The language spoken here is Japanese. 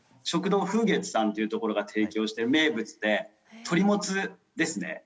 食堂「風月」さんっていうところが提供してる名物で鶏もつですね。